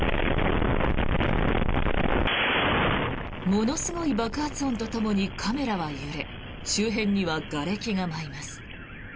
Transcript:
ものすごい爆発音とともにカメラは揺れ周辺には、がれきが舞います。